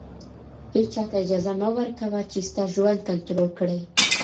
• هېچا ته اجازه مه ورکوه چې ستا ژوند کنټرول کړي.